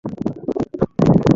ততক্ষণে রেডি থেকো, ওকে?